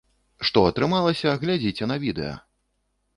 Што атрымалася, глядзіце на відэа!